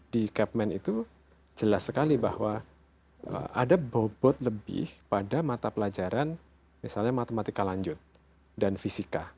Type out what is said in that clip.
di capman itu jelas sekali bahwa ada bobot lebih pada mata pelajaran misalnya matematika lanjut dan fisika